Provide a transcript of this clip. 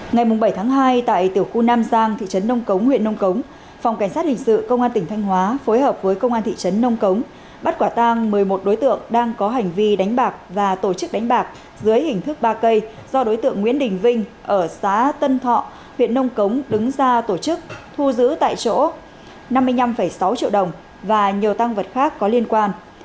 ngày bảy tháng hai tại tiểu khu nam giang thị trấn nông cống huyện nông cống phòng cảnh sát hình sự công an tỉnh thanh hóa phối hợp với công an thị trấn nông cống bắt quả tang một mươi một đối tượng đang có hành vi đánh bạc và tổ chức đánh bạc dưới hình thức ba cây do đối tượng nguyễn đình vinh ở xá tân thọ huyện nông cống đứng ra tổ chức thu giữ tại chỗ năm mươi năm sáu triệu đồng và nhiều tăng vật khác có liên quan